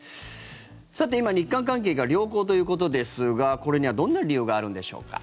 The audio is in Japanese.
今、日韓関係が良好ということですがこれにはどんな理由があるんでしょうか。